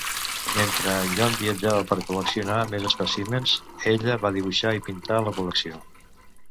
Mentre en John viatjava per col·leccionar més espècimens ella va dibuixar i pintar la col·lecció.